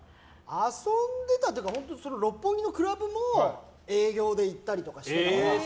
遊んでたっていうか六本木のクラブも営業で行ったりとか。